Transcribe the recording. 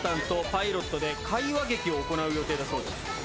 パイロットで会話劇を行う予定だそうです。